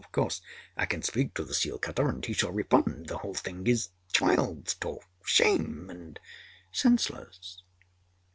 Of course I can speak to the seal cutter, and he shall refund. The whole thing is child's talk shame and senseless.